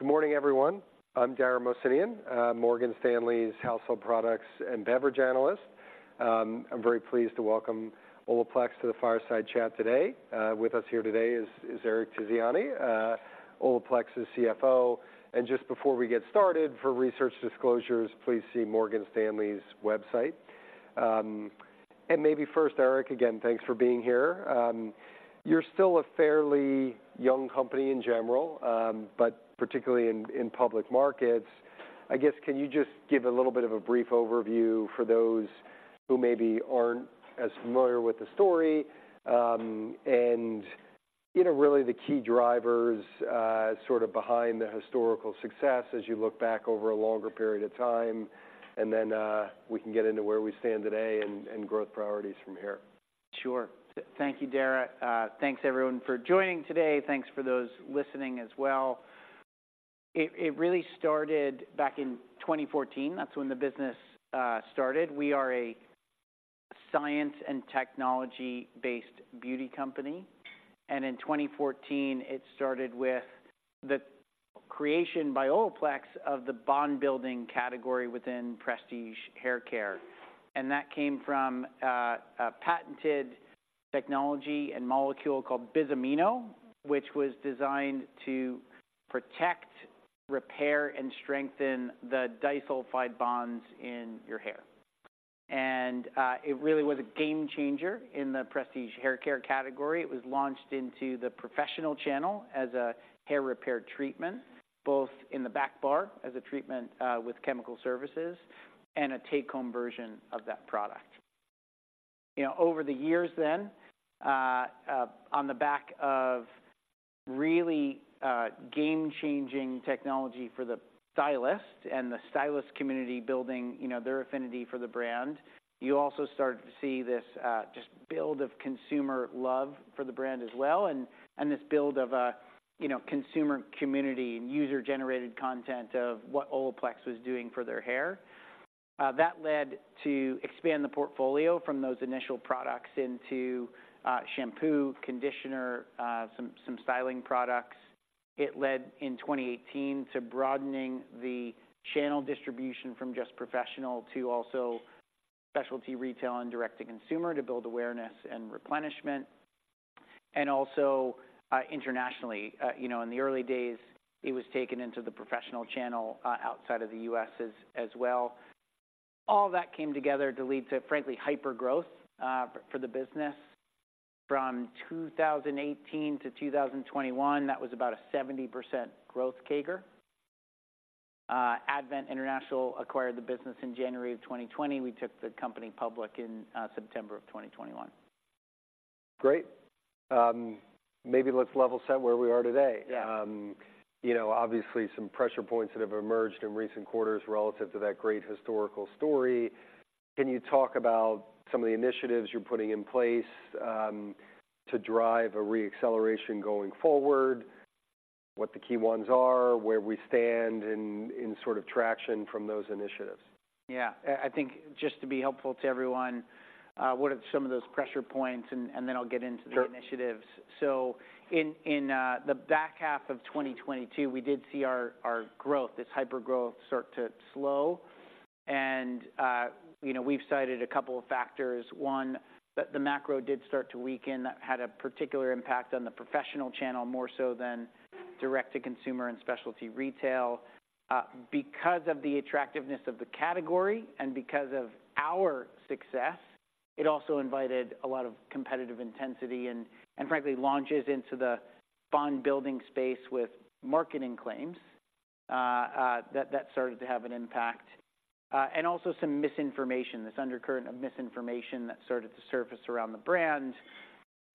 Good morning, everyone. I'm Dara Mohsenian, Morgan Stanley's Household Products and Beverage Analyst. I'm very pleased to welcome OLAPLEX to the Fireside Chat today. With us here today is Eric Tiziani, OLAPLEX's CFO. Just before we get started, for research disclosures, please see Morgan Stanley's website. Maybe first, Eric, again, thanks for being here. You're still a fairly young company in general, but particularly in public markets. I guess, can you just give a little bit of a brief overview for those who maybe aren't as familiar with the story, and, you know, really the key drivers, sort of behind the historical success as you look back over a longer period of time? Then, we can get into where we stand today and growth priorities from here. Sure. Thank you, Dara. Thanks, everyone, for joining today. Thanks for those listening as well. It really started back in 2014. That's when the business started. We are a science and technology-based beauty company, and in 2014, it started with the creation by OLAPLEX of the bond-building category within prestige hair care. And that came from a patented technology and molecule called Bis-Aminopropyl Diglycol Dimaleate, which was designed to protect, repair, and strengthen the disulfide bonds in your hair. And it really was a game changer in the prestige hair care category. It was launched into the professional channel as a hair repair treatment, both in the back bar as a treatment with chemical services, and a take-home version of that product. You know, over the years then, on the back of really, game-changing technology for the stylist and the stylist community building, you know, their affinity for the brand, you also start to see this, just build of consumer love for the brand as well, and, and this build of a, you know, consumer community and user-generated content of what OLAPLEX was doing for their hair. That led to expand the portfolio from those initial products into, shampoo, conditioner, some styling products. It led, in 2018, to broadening the channel distribution from just Professional to also Specialty Retail and Direct-to-Consumer to build awareness and replenishment, and also, internationally. You know, in the early days, it was taken into the Professional channel, outside of the U.S. as well. All that came together to lead to, frankly, hyper growth for the business. From 2018 to 2021, that was about a 70% growth CAGR. Advent International acquired the business in January of 2020. We took the company public in September of 2021. Great. Maybe let's level set where we are today. Yeah. You know, obviously some pressure points that have emerged in recent quarters relative to that great historical story. Can you talk about some of the initiatives you're putting in place, to drive a re-acceleration going forward? What the key ones are, where we stand in sort of traction from those initiatives. Yeah. I think just to be helpful to everyone, what are some of those pressure points? And then I'll get into the initiatives. So in the back half of 2022, we did see our growth, this hyper growth, start to slow. And, you know, we've cited a couple of factors. One, the macro did start to weaken. That had a particular impact on the Professional channel, more so than Direct-to-Consumer and Specialty Retail. Because of the attractiveness of the category and because of our success, it also invited a lot of competitive intensity and, frankly, launches into the bond building space with marketing claims that started to have an impact. And also some misinformation, this undercurrent of misinformation that started to surface around the brand.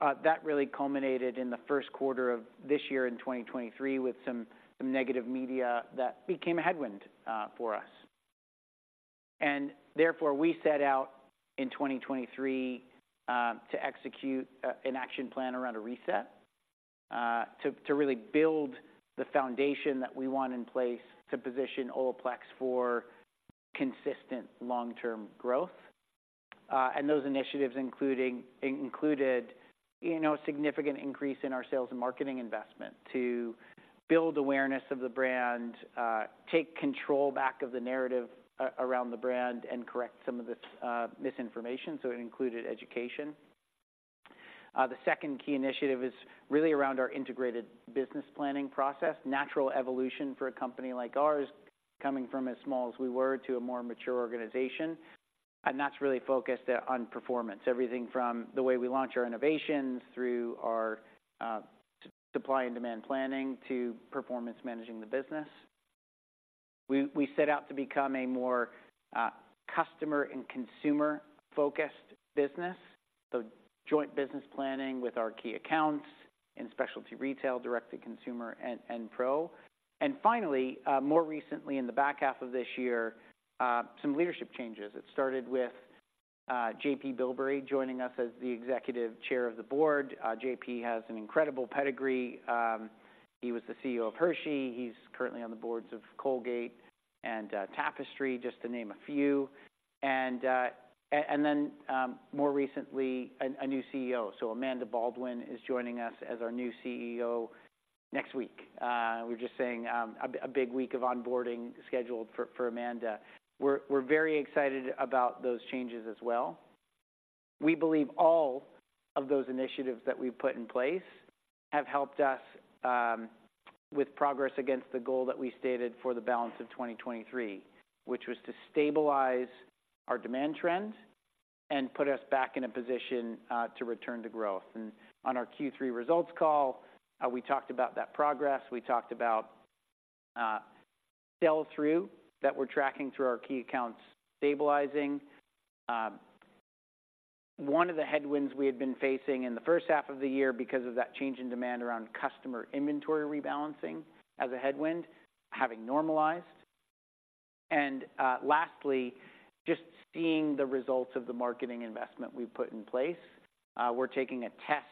That really culminated in the first quarter of this year, in 2023, with some negative media that became a headwind for us. Therefore, we set out in 2023 to execute an action plan around a reset to really build the foundation that we want in place to position OLAPLEX for consistent long-term growth. And those initiatives included, you know, a significant increase in our sales and marketing investment to build awareness of the brand, take control back of the narrative around the brand, and correct some of this misinformation. So it included education. The second key initiative is really around our integrated business planning process. Natural evolution for a company like ours, coming from as small as we were to a more mature organization, and that's really focused on performance. Everything from the way we launch our innovations, through our supply and demand planning, to performance managing the business. We set out to become a more customer and consumer-focused business, so joint business planning with our key accounts in Specialty Retail, Direct-to-Consumer, and Professional. Finally, more recently, in the back half of this year, some leadership changes. It started with JP Bilbrey joining us as the Executive Chair of the Board. JP has an incredible pedigree. He was the CEO of The Hershey Company. He's currently on the Boards of Colgate and Tapestry, just to name a few. And then, more recently, a new CEO. So Amanda Baldwin is joining us as our new CEO next week. We're just saying a big week of onboarding scheduled for Amanda. We're very excited about those changes as well. We believe all of those initiatives that we've put in place have helped us with progress against the goal that we stated for the balance of 2023, which was to stabilize our demand trend and put us back in a position to return to growth. And on our Q3 results call, we talked about that progress. We talked about sell-through that we're tracking through our key accounts stabilizing. One of the headwinds we had been facing in the first half of the year because of that change in demand around customer inventory rebalancing as a headwind, having normalized. And lastly, just seeing the results of the marketing investment we've put in place. We're taking a test,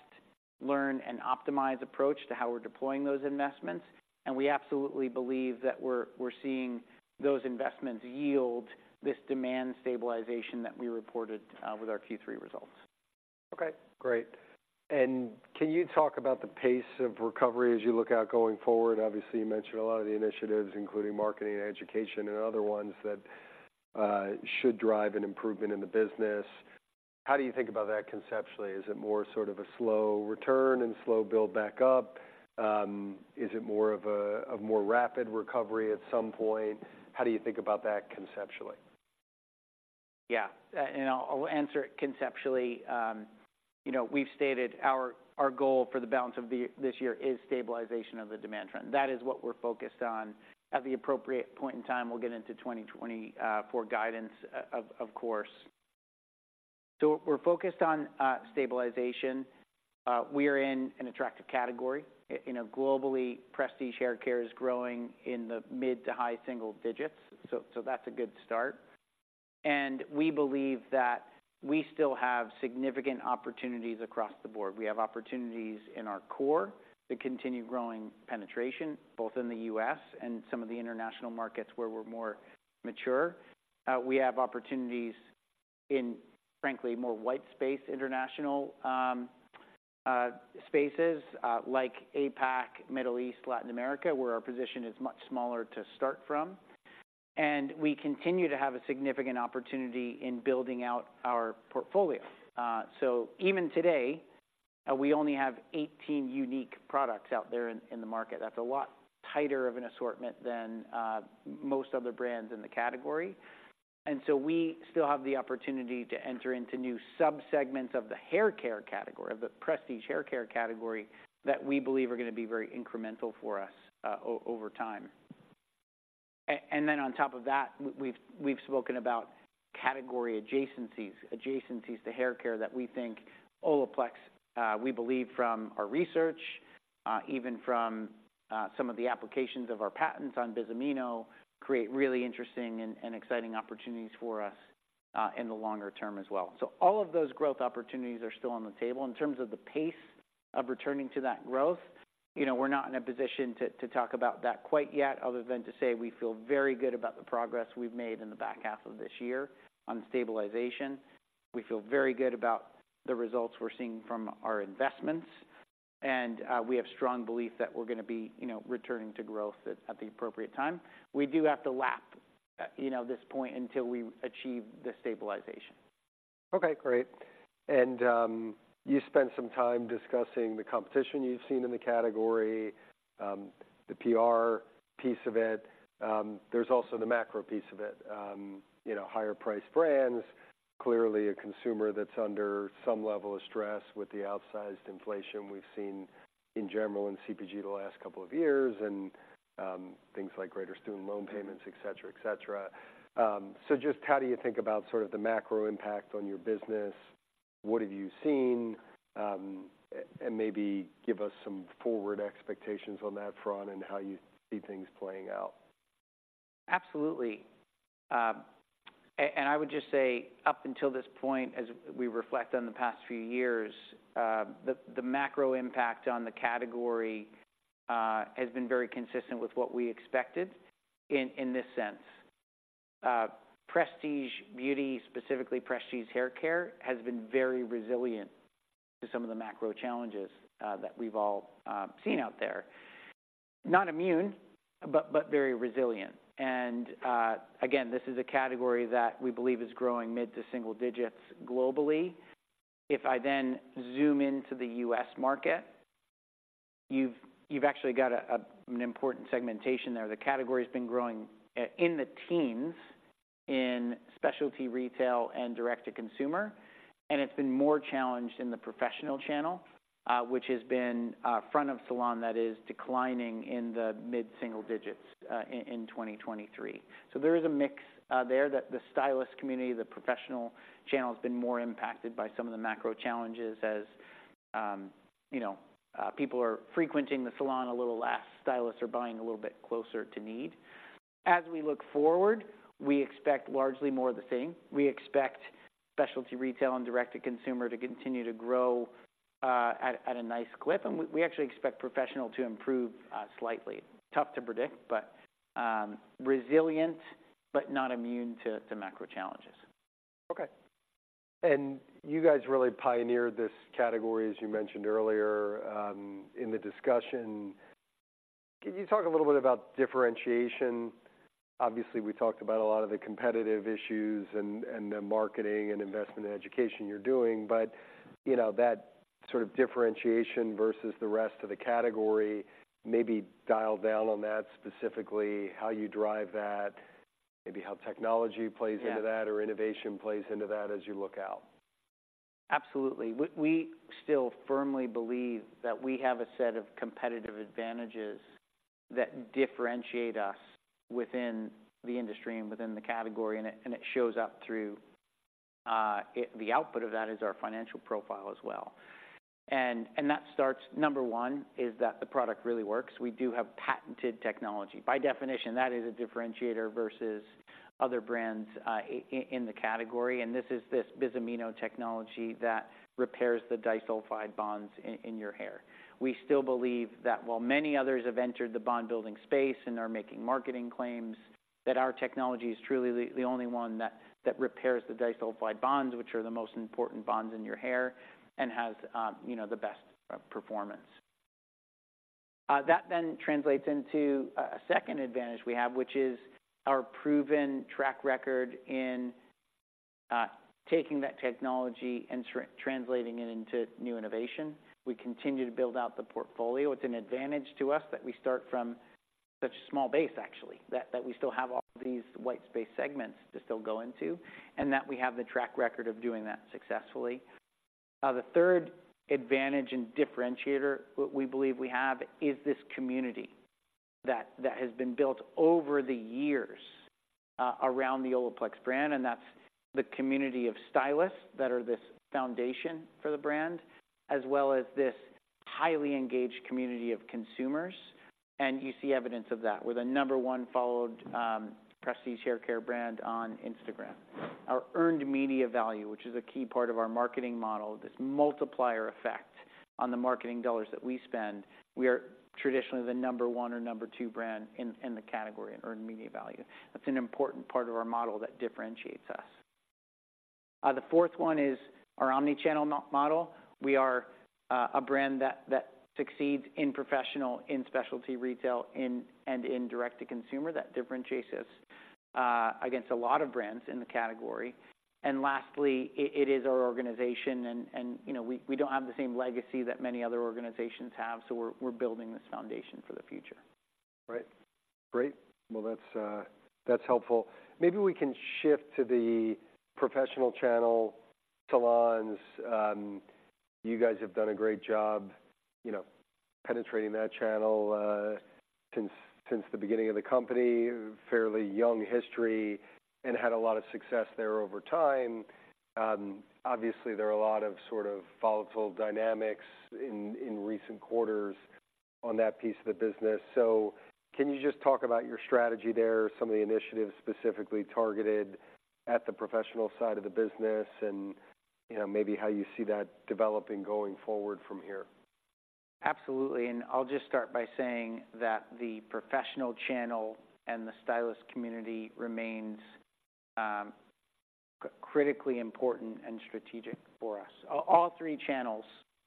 learn, and optimize approach to how we're deploying those investments, and we absolutely believe that we're seeing those investments yield this demand stabilization that we reported with our Q3 results. Okay, great. And can you talk about the pace of recovery as you look out going forward? Obviously, you mentioned a lot of the initiatives, including marketing and education, and other ones that should drive an improvement in the business. How do you think about that conceptually? Is it more sort of a slow return and slow build back up? Is it more of a more rapid recovery at some point? How do you think about that conceptually? Yeah, and I'll answer it conceptually. You know, we've stated our goal for the balance of this year is stabilization of the demand trend. That is what we're focused on. At the appropriate point in time, we'll get into 2024 guidance, of course. So we're focused on stabilization. We are in an attractive category. You know, globally, prestige hair care is growing in the mid- to high-single digits, so that's a good start. And we believe that we still have significant opportunities across the board. We have opportunities in our core to continue growing penetration, both in the U.S. and some of the international markets where we're more mature. We have opportunities in, frankly, more white space, international spaces, like APAC, Middle East, Latin America, where our position is much smaller to start from. We continue to have a significant opportunity in building out our portfolio. So even today, we only have 18 unique products out there in the market. That's a lot tighter of an assortment than most other brands in the category. So we still have the opportunity to enter into new subsegments of the hair care category, of the prestige hair care category, that we believe are gonna be very incremental for us over time. And then on top of that, we've spoken about category adjacencies. Adjacencies to hair care that we think OLAPLEX, we believe from our research, even from some of the applications of our patents on Bis-Amino, create really interesting and exciting opportunities for us in the longer term as well. So all of those growth opportunities are still on the table. In terms of the pace of returning to that growth, you know, we're not in a position to talk about that quite yet, other than to say we feel very good about the progress we've made in the back half of this year on stabilization. We feel very good about the results we're seeing from our investments, and we have strong belief that we're gonna be, you know, returning to growth at the appropriate time. We do have to lap, you know, this point until we achieve the stabilization. Okay, great. And, you spent some time discussing the competition you've seen in the category, the PR piece of it. There's also the macro piece of it. You know, higher-priced brands, clearly a consumer that's under some level of stress with the outsized inflation we've seen in general in CPG the last couple of years, and, things like greater student loan payments, et cetera, et cetera. So just how do you think about sort of the macro impact on your business? What have you seen? And maybe give us some forward expectations on that front and how you see things playing out. Absolutely. I would just say, up until this point, as we reflect on the past few years, the macro impact on the category has been very consistent with what we expected in this sense. Prestige beauty, specifically prestige hair care, has been very resilient to some of the macro challenges that we've all seen out there. Not immune, but very resilient. And again, this is a category that we believe is growing mid- to single-digits globally. If I then zoom into the U.S. market, you've actually got an important segmentation there. The category's been growing in the teens, in Specialty Retail and Direct-to-Consumer, and it's been more challenged in the Professional channel, which has been front of salon that is declining in the mid-single-digits in 2023. So there is a mix that the stylist community, the Professional channel, has been more impacted by some of the macro challenges as, you know, people are frequenting the salon a little less, stylists are buying a little bit closer to need. As we look forward, we expect largely more of the same. We expect Specialty Retail and Direct-to-Consumer to continue to grow at a nice clip, and we actually expect Professional to improve slightly. Tough to predict, but resilient, but not immune to macro challenges. Okay. You guys really pioneered this category, as you mentioned earlier, in the discussion. Can you talk a little bit about differentiation? Obviously, we talked about a lot of the competitive issues and the marketing and investment and education you're doing, but, you know, that sort of differentiation versus the rest of the category, maybe dial down on that, specifically, how you drive that, maybe how technology plays into that or innovation plays into that as you look out. Absolutely. We still firmly believe that we have a set of competitive advantages that differentiate us within the industry and within the category, and it shows up through the output of that is our financial profile as well. And that starts, number one, is that the product really works. We do have patented technology. By definition, that is a differentiator versus other brands in the category, and this is this Bis-Aminopropyl Diglycol Dimaleate technology that repairs the disulfide bonds in your hair. We still believe that while many others have entered the bond-building space and are making marketing claims, that our technology is truly the only one that repairs the disulfide bonds, which are the most important bonds in your hair and has, you know, the best performance. That then translates into a second advantage we have, which is our proven track record in taking that technology and translating it into new innovation. We continue to build out the portfolio. It's an advantage to us that we start from such a small base, actually, that we still have all these white space segments to still go into, and that we have the track record of doing that successfully. The third advantage and differentiator we believe we have is this community that has been built over the years around the OLAPLEX brand, and that's the community of stylists that are this foundation for the brand, as well as this highly engaged community of consumers. And you see evidence of that with the number one followed prestige hair care brand on Instagram. Our earned media value, which is a key part of our marketing model, this multiplier effect on the marketing dollars that we spend, we are traditionally the number one or number two brand in the category in earned media value. That's an important part of our model that differentiates us. The fourth one is our omni-channel model. We are a brand that succeeds in Professional, in Specialty Retail, and in Direct-to-Consumer. That differentiates us against a lot of brands in the category. And lastly, it is our organization, and you know, we don't have the same legacy that many other organizations have, so we're building this foundation for the future. Right. Great. Well, that's helpful. Maybe we can shift to the Professional channel salons. You guys have done a great job, you know, penetrating that channel, since the beginning of the company, fairly young history, and had a lot of success there over time. Obviously, there are a lot of sort of volatile dynamics in recent quarters on that piece of the business. So can you just talk about your strategy there, some of the initiatives specifically targeted at the Professional side of the business, and, you know, maybe how you see that developing going forward from here? Absolutely. And I'll just start by saying that the Professional channel and the stylist community remains critically important and strategic for us. All three channels,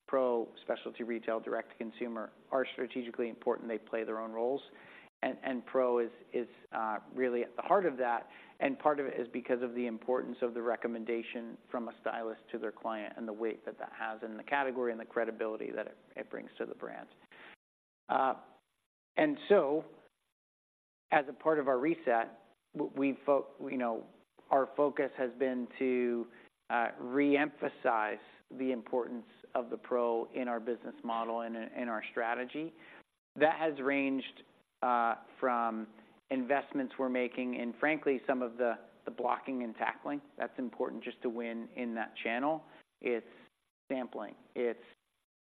Professional, Specialty Retail, Direct-to-Consumer, are strategically important. They play their own roles, and Professional is really at the heart of that, and part of it is because of the importance of the recommendation from a stylist to their client and the weight that that has in the category and the credibility that it brings to the brand. And so as a part of our reset, you know, our focus has been to reemphasize the importance of the Professional channel in our business model and in our strategy. That has ranged from investments we're making and frankly, some of the blocking and tackling. That's important just to win in that channel. It's sampling. It's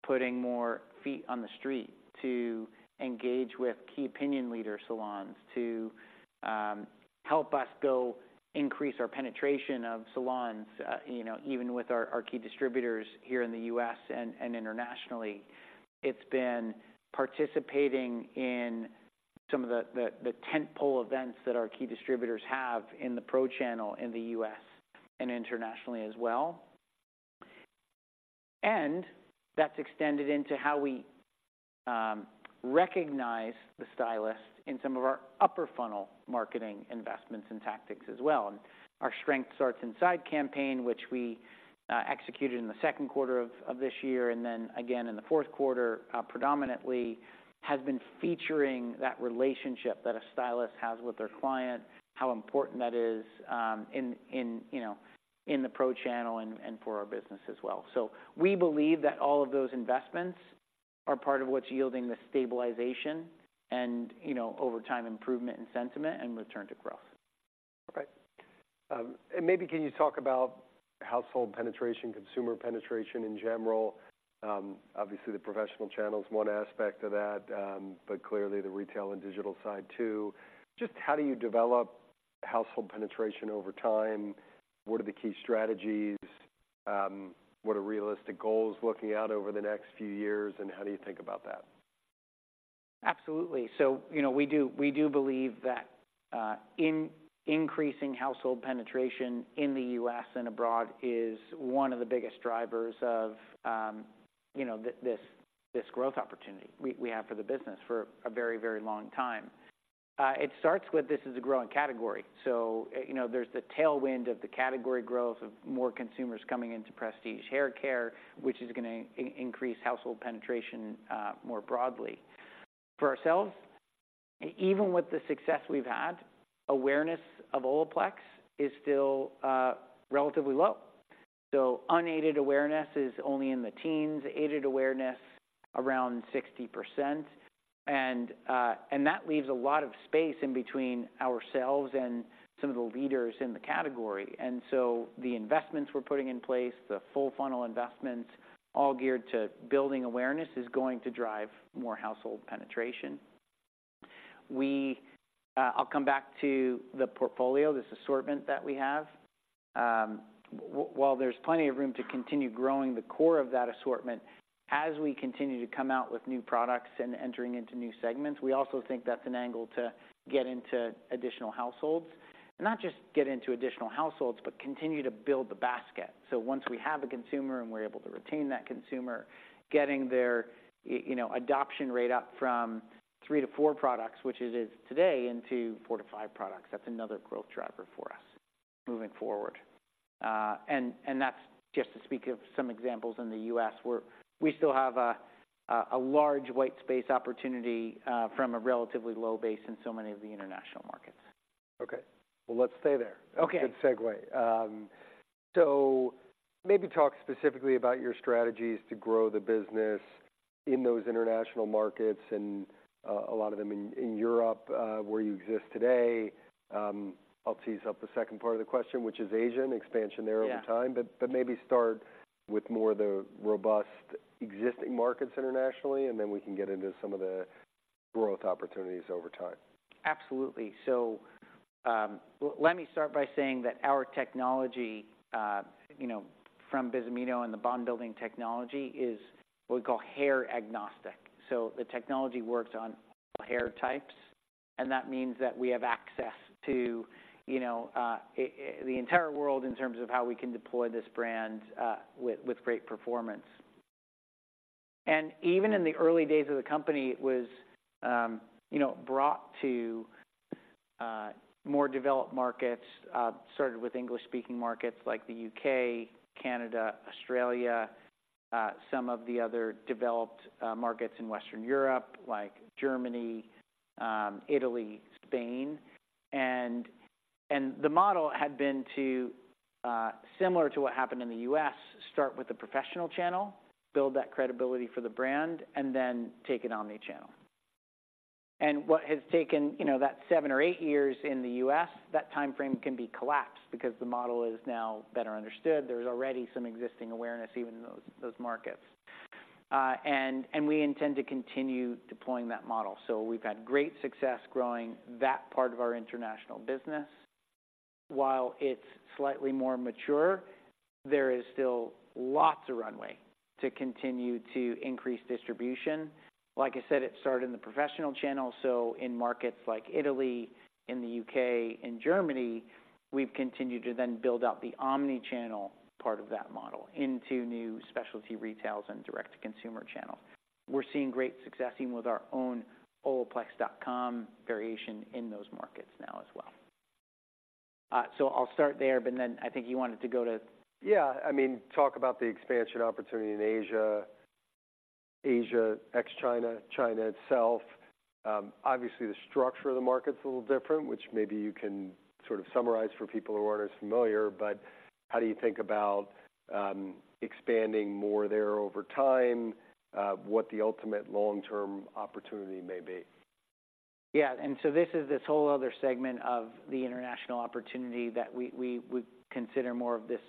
putting more feet on the street to engage with key opinion leader salons to help us go increase our penetration of salons, you know, even with our key distributors here in the U.S. and internationally. It's been participating in some of the tentpole events that our key distributors have in the Professional channel in the U.S. and internationally as well. That's extended into how we recognize the stylists in some of our upper funnel marketing investments and tactics as well. Our Strength Starts Inside campaign, which we executed in the second quarter of this year, and then again in the fourth quarter, predominantly, has been featuring that relationship that a stylist has with their client, how important that is, in, you know, in the Professional channel and for our business as well. We believe that all of those investments are part of what's yielding the stabilization and, you know, over time, improvement in sentiment and return to growth. Right. And maybe can you talk about household penetration, consumer penetration in general? Obviously, the Professional channel is one aspect of that, but clearly, the Specialty Retail and digital side, too. Just how do you develop household penetration over time? What are the key strategies? What are realistic goals looking out over the next few years, and how do you think about that? Absolutely. So, you know, we do, we do believe that increasing household penetration in the U.S. and abroad is one of the biggest drivers of, you know, this growth opportunity we have for the business for a very, very long time. It starts with this is a growing category. So, you know, there's the tailwind of the category growth of more consumers coming into prestige hair care, which is gonna increase household penetration more broadly. For ourselves, even with the success we've had, awareness of OLAPLEX is still relatively low. So unaided awareness is only in the teens, aided awareness around 60%. And that leaves a lot of space in between ourselves and some of the leaders in the category. The investments we're putting in place, the full funnel investments, all geared to building awareness, is going to drive more household penetration. I'll come back to the portfolio, this assortment that we have. While there's plenty of room to continue growing the core of that assortment, as we continue to come out with new products and entering into new segments, we also think that's an angle to get into additional households. Not just get into additional households, but continue to build the basket. So once we have a consumer and we're able to retain that consumer, getting their, you know, adoption rate up from three to four products, which it is today, into four to five products, that's another growth driver for us moving forward. That's just to speak of some examples in the U.S., where we still have a large white space opportunity from a relatively low base in so many of the international markets. Okay. Well, let's stay there. Okay. Good segue. So maybe talk specifically about your strategies to grow the business in those international markets and a lot of them in Europe where you exist today. I'll tease up the second part of the question, which is Asian expansion there over time. But, maybe start with more of the robust existing markets internationally, and then we can get into some of the growth opportunities over time. Absolutely. So, let me start by saying that our technology, you know, from Bis-Aminopropyl Diglycol Dimaleate and the bond-building technology, is what we call hair agnostic. So the technology works on hair types, and that means that we have access to, you know, the entire world in terms of how we can deploy this brand, with great performance. And even in the early days of the company, it was, you know, brought to more developed markets, started with English-speaking markets like the U.K., Canada, Australia, some of the other developed markets in Western Europe, like Germany, Italy, Spain. And the model had been to, similar to what happened in the U.S., start with the Professional channel, build that credibility for the brand, and then take it omni-channel. What has taken, you know, that seven or eight years in the U.S., that timeframe can be collapsed because the model is now better understood. There's already some existing awareness, even in those markets. And we intend to continue deploying that model. So we've had great success growing that part of our international business. While it's slightly more mature, there is still lots of runway to continue to increase distribution. Like I said, it started in the Professional channel, so in markets like Italy, in the U.K., in Germany, we've continued to then build out the omni-channel part of that model into new Specialty Retail and Direct-to-Consumer channels. We're seeing great success even with our own olaplex.com variation in those markets now as well. So I'll start there, but then I think you wanted to go to- Yeah, I mean, talk about the expansion opportunity in Asia, Asia, ex-China, China itself. Obviously, the structure of the market's a little different, which maybe you can sort of summarize for people who aren't as familiar. But how do you think about, expanding more there over time? What the ultimate long-term opportunity may be? Yeah, and so this is this whole other segment of the international opportunity that we would consider more of this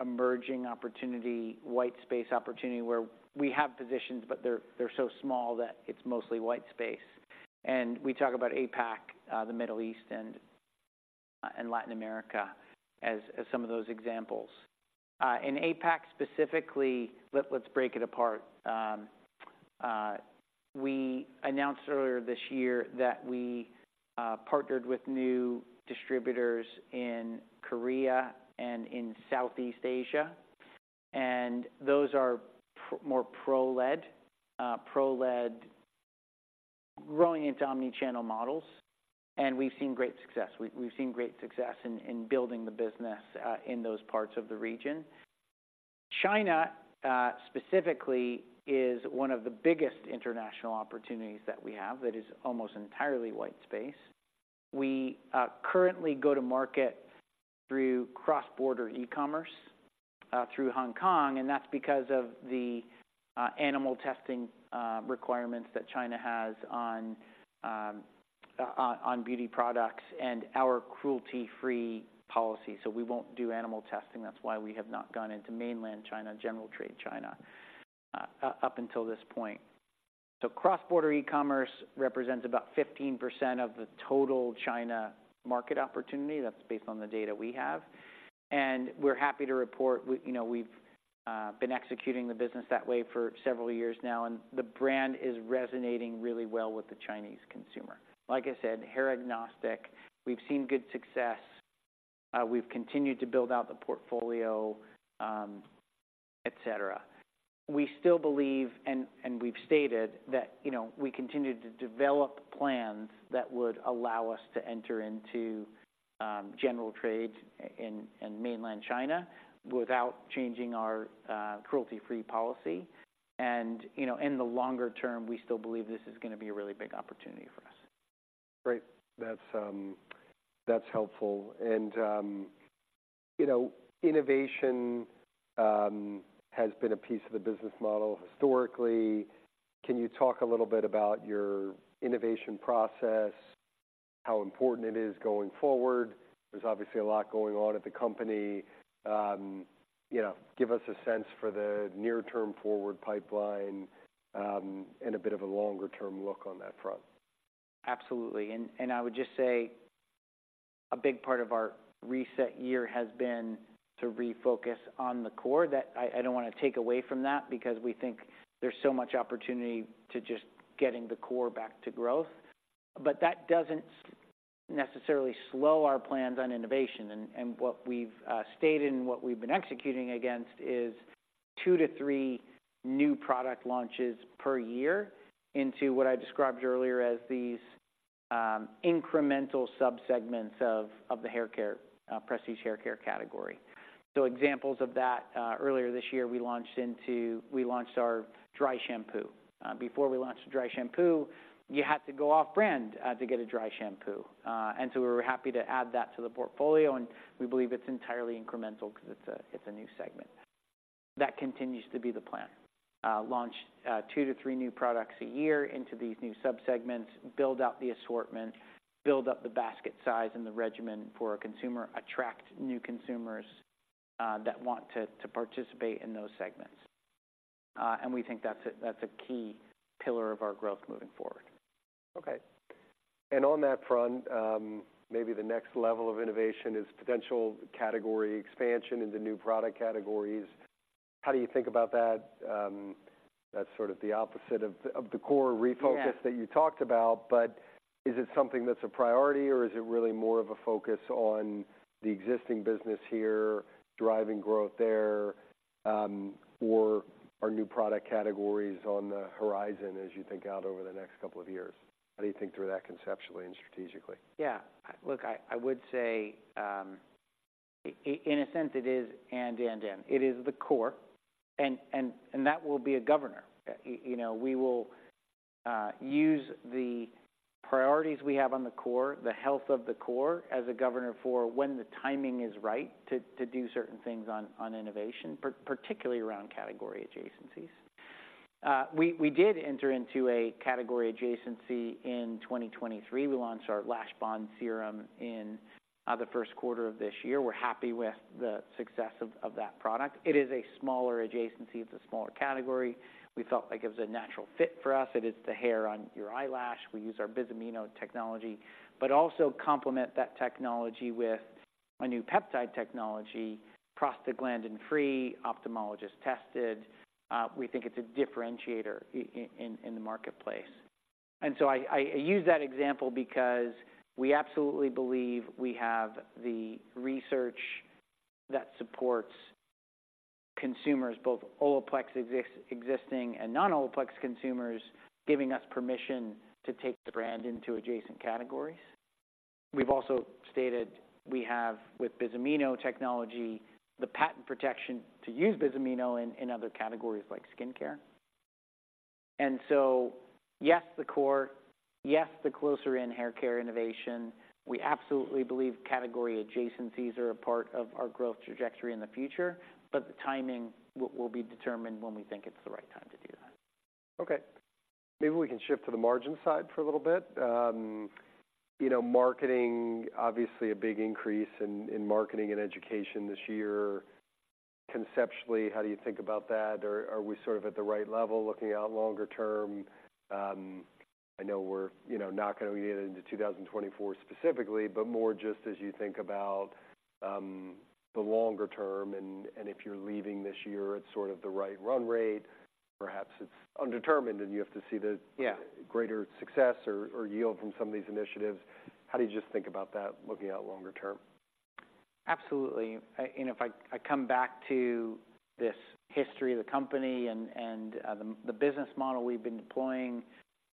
emerging opportunity, white space opportunity, where we have positions, but they're so small that it's mostly white space. We talk about APAC, the Middle East, and Latin America as some of those examples. In APAC specifically, let's break it apart. We announced earlier this year that we partnered with new distributors in Korea and in Southeast Asia, and those are more Professional channel-led, growing into omni-channel models, and we've seen great success. We've seen great success in building the business in those parts of the region. China specifically is one of the biggest international opportunities that we have that is almost entirely white space. We currently go to market through cross-border e-commerce through Hong Kong, and that's because of the animal testing requirements that China has on beauty products and our cruelty-free policy. So we won't do animal testing. That's why we have not gone into mainland China, general trade China, up until this point. So cross-border e-commerce represents about 15% of the total China market opportunity. That's based on the data we have, and we're happy to report you know, we've been executing the business that way for several years now, and the brand is resonating really well with the Chinese consumer. Like I said, hair agnostic. We've seen good success, we've continued to build out the portfolio, et cetera. We still believe, and we've stated that, you know, we continue to develop plans that would allow us to enter into general trade in mainland China without changing our cruelty-free policy. You know, in the longer term, we still believe this is gonna be a really big opportunity for us. Great. That's, that's helpful. And, you know, innovation, has been a piece of the business model historically. Can you talk a little bit about your innovation process? How important it is going forward? There's obviously a lot going on at the company. You know, give us a sense for the near-term forward pipeline, and a bit of a longer-term look on that front. Absolutely. I would just say a big part of our reset year has been to refocus on the core, that I don't wanna take away from that because we think there's so much opportunity to just getting the core back to growth. But that doesn't necessarily slow our plans on innovation, and what we've stated and what we've been executing against is two to three new product launches per year into what I described earlier as these incremental subsegments of the hair care prestige hair care category. So examples of that, earlier this year, we launched our Clean Volume Detox Dry Shampoo. Before we launched the Clean Volume Detox Dry Shampoo, you had to go off-brand to get a dry shampoo. And so we were happy to add that to the portfolio, and we believe it's entirely incremental because it's a, it's a new segment. That continues to be the plan. Launch two to three new products a year into these new subsegments, build out the assortment, build up the basket size and the regimen for a consumer, attract new consumers that want to, to participate in those segments. And we think that's a, that's a key pillar of our growth moving forward. Okay. And on that front, maybe the next level of innovation is potential category expansion into new product categories. How do you think about that? That's sort of the opposite of the core refocus that you talked about, but is it something that's a priority, or is it really more of a focus on the existing business here, driving growth there? Or are new product categories on the horizon as you think out over the next couple of years? How do you think through that conceptually and strategically? Yeah. Look, I would say, in a sense, it is, and, and, and. It is the core, and, and, and that will be a governor. You know, we will use the priorities we have on the core, the health of the core, as a governor for when the timing is right to do certain things on innovation, particularly around category adjacencies. We did enter into a category adjacency in 2023. We launched our Lashbond Building Serum in the first quarter of this year. We're happy with the success of that product. It is a smaller adjacency. It's a smaller category. We felt like it was a natural fit for us. It is the hair on your eyelash. We use our Bis-Aminopropyl Diglycol Dimaleate technology, but also complement that technology with a new peptide technology, prostaglandin-free, ophthalmologist-tested. We think it's a differentiator in the marketplace. And so I use that example because we absolutely believe we have the research that supports consumers, both OLAPLEX existing and non-OLAPLEX consumers, giving us permission to take the brand into adjacent categories. We've also stated we have, with Bis-Aminopropyl Diglycol Dimaleate technology, the patent protection to use Bis-Aminopropyl Diglycol Dimaleate in other categories like skincare. And so, yes, the core, yes, the closer in hair care innovation, we absolutely believe category adjacencies are a part of our growth trajectory in the future, but the timing will be determined when we think it's the right time to do that. Okay. Maybe we can shift to the margin side for a little bit. You know, marketing, obviously a big increase in marketing and education this year. Conceptually, how do you think about that? Are we sort of at the right level, looking out longer term? I know we're, you know, not gonna get into 2024 specifically, but more just as you think about the longer term, and if you're leaving this year at sort of the right run rate, perhaps it's undetermined, and you have to see the greater success or yield from some of these initiatives. How do you just think about that looking out longer term? Absolutely. And if I come back to this history of the company and the business model we've been deploying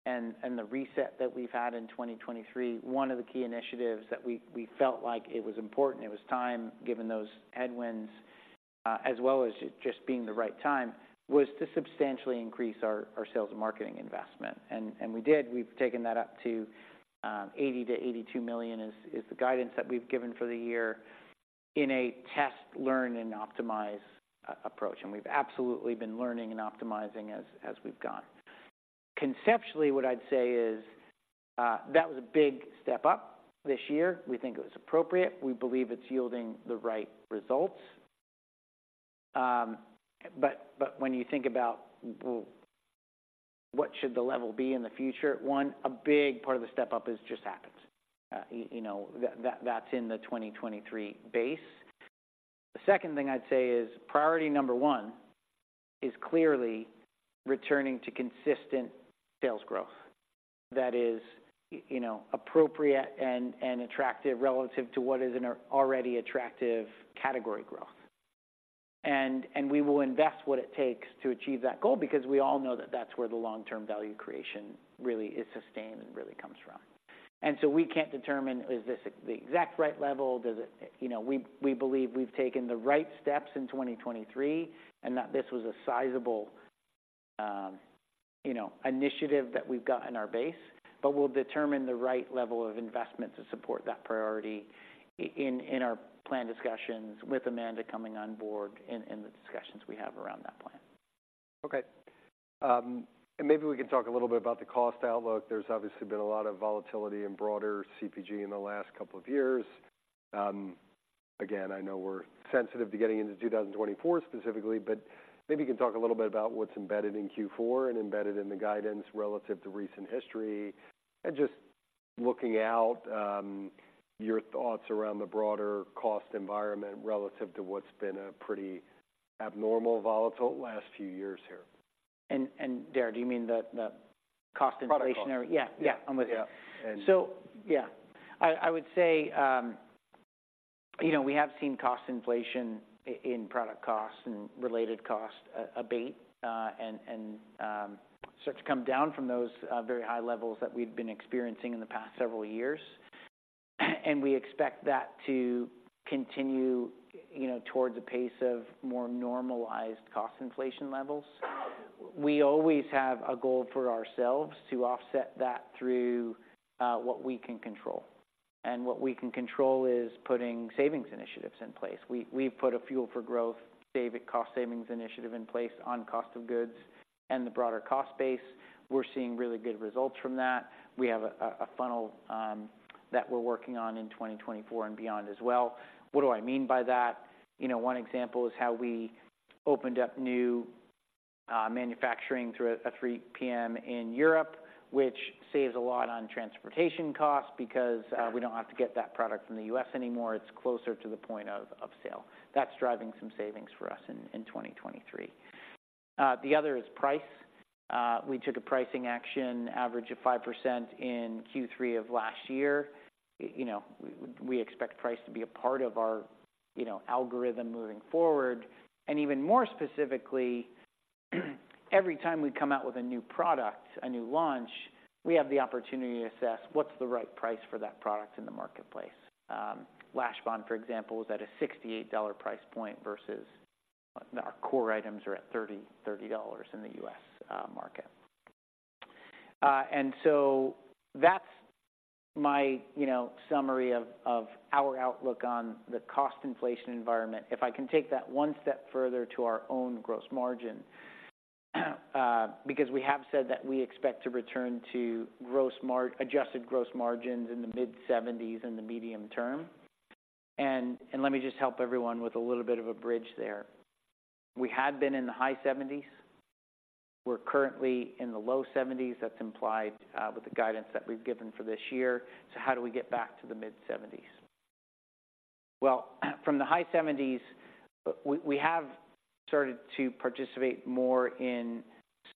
and the reset that we've had in 2023, one of the key initiatives that we felt like it was important, it was time, given those headwinds, as well as it just being the right time, was to substantially increase our sales and marketing investment. We did. We've taken that up to $80 million-$82 million is the guidance that we've given for the year in a test, learn and optimize approach, and we've absolutely been learning and optimizing as we've gone. Conceptually, what I'd say is, that was a big step up this year. We think it was appropriate. We believe it's yielding the right results. But when you think about what should the level be in the future? One, a big part of the step up has just happened. You know, that's in the 2023 base. The second thing I'd say is, priority number one is clearly returning to consistent sales growth that is, you know, appropriate and attractive relative to what is an already attractive category growth. And we will invest what it takes to achieve that goal because we all know that that's where the long-term value creation really is sustained and really comes from. And so we can't determine: is this the exact right level? You know, we believe we've taken the right steps in 2023, and that this was a sizable, you know, initiative that we've got in our base, but we'll determine the right level of investment to support that priority in our plan discussions with Amanda coming on board and in the discussions we have around that plan. Okay. And maybe we can talk a little bit about the cost outlook. There's obviously been a lot of volatility in broader CPG in the last couple of years. Again, I know we're sensitive to getting into 2024 specifically, but maybe you can talk a little bit about what's embedded in Q4 and embedded in the guidance relative to recent history. And just looking out, your thoughts around the broader cost environment relative to what's been a pretty abnormal, volatile last few years here. Dara, do you mean the cost inflationary- Product cost. Yeah. Yeah, I'm with you. So yeah, I would say, you know, we have seen cost inflation in product costs and related cost abate and start to come down from those very high levels that we've been experiencing in the past several years. And we expect that to continue, you know, towards a pace of more normalized cost inflation levels. We always have a goal for ourselves to offset that through what we can control, and what we can control is putting savings initiatives in place. We've put a Fuel for Growth cost savings initiative in place on cost of goods and the broader cost base. We're seeing really good results from that. We have a funnel that we're working on in 2024 and beyond as well. What do I mean by that? You know, one example is how we opened up new manufacturing through a Nº.3 Hair Perfector in Europe which saves a lot in transportation costs because we don't have to get that product from the U.S. anymore. It's closer to the point of sale. That's driving some savings for us in 2023. The other is price. We took a pricing action, average of 5% in Q3 of last year. We expect price to be a part of our algorithm moving forward. And even more specifically, every time we come out with a new product, a new launch, we have the opportunity to assess what's the right price for that product in the marketplace. Lashbond, for example, was at a $68 price point versus our core items are at $30, $30 in the U.S. market. And so that's my, you know, summary of our outlook on the cost inflation environment. If I can take that one step further to our own gross margin, because we have said that we expect to return to adjusted gross margins in the mid-70s% in the medium term. And let me just help everyone with a little bit of a bridge there. We had been in the high 70s%. We're currently in the low 70s%. That's implied with the guidance that we've given for this year. So how do we get back to the mid-70s%? Well, from the high 70s%, we have started to participate more in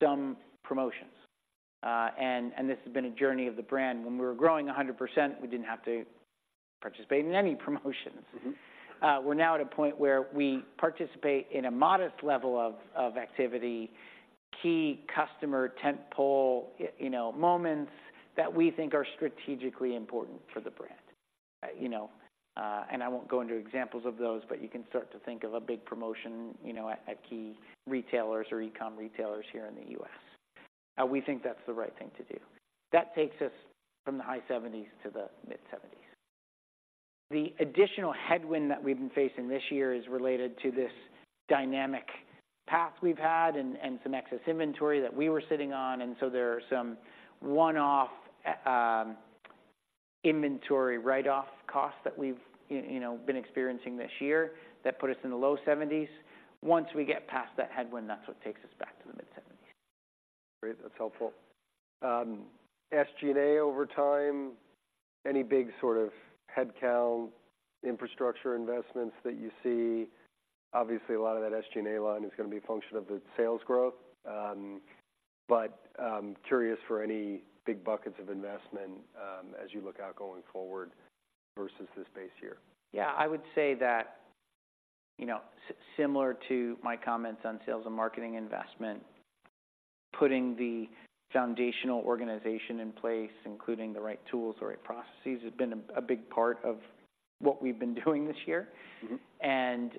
some promotions, and, and this has been a journey of the brand. When we were growing 100%, we didn't have to participate in any promotions. We're now at a point where we participate in a modest level of, of activity, key customer tent pole, you know, moments that we think are strategically important for the brand. You know, and I won't go into examples of those, but you can start to think of a big promotion, you know, at, at key retailers or e-com retailers here in the U.S. We think that's the right thing to do. That takes us from the high 70s% to the mid-70s%. The additional headwind that we've been facing this year is related to this dynamic path we've had and some excess inventory that we were sitting on, and so there are some one-off inventory write-off costs that we've, you know, been experiencing this year that put us in the low 70s%. Once we get past that headwind, that's what takes us back to the mid-70s%. Great. That's helpful. SG&A over time, any big sort of headcount, infrastructure investments that you see? Obviously, a lot of that SG&A line is gonna be a function of the sales growth, but curious for any big buckets of investment, as you look out going forward versus this base year. Yeah, I would say that, you know, similar to my comments on sales and marketing investment, putting the foundational organization in place, including the right tools, the right processes, has been a big part of what we've been doing this year. And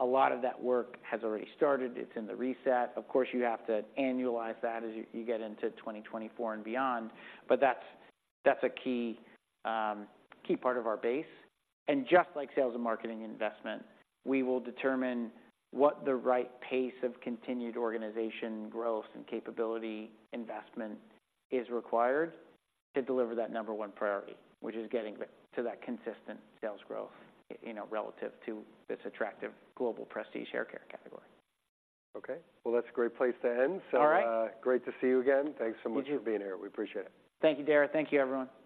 a lot of that work has already started. It's in the reset. Of course, you have to annualize that as you get into 2024 and beyond, but that's a key part of our base. And just like sales and marketing investment, we will determine what the right pace of continued organization growth and capability investment is required to deliver that number one priority, which is getting to that consistent sales growth, you know, relative to this attractive global prestige hair care category. Okay. Well, that's a great place to end. All right. Great to see you again. Thank you. Thanks so much for being here. We appreciate it. Thank you, Dara. Thank you, everyone. Thank you.